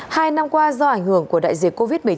hai năm qua do ảnh hưởng của đại dịch covid một mươi chín